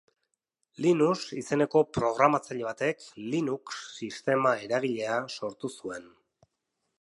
Linus izeneko programatzaile batek Linux sistema eragilea sortu zuen.